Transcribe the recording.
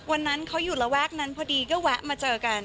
วันนั้นเขาอยู่ระแวกนั้นพอดีก็แวะมาเจอกัน